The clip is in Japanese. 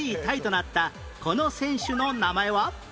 なったこの選手の名前は？